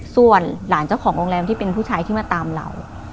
ส่วนหลานเจ้าของโรงแรมที่เป็นผู้ชายที่มาตามเรา